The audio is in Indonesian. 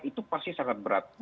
itu pasti sangat berat